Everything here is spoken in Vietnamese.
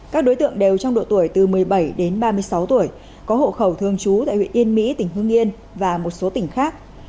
các đối tượng đều trong độ tuổi từ một mươi bảy đến ba mươi sáu tuổi có hộ khẩu thương chú tại huyện yên mỹ tỉnh hương yên và một số tỉnh khác